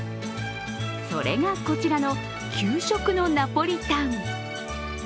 それがこちらの給食のナポリタン。